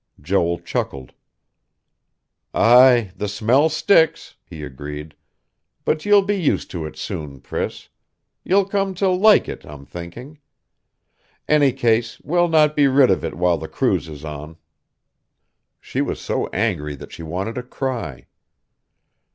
Joel chuckled. "Aye, the smell sticks," he agreed. "But you'll be used to it soon, Priss. You'll come to like it, I'm thinking. Any case, we'll not be rid of it while the cruise is on." She was so angry that she wanted to cry.